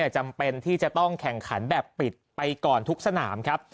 จำเป็นที่จะต้องแข่งขันแบบปิดไปก่อนทุกสนามครับ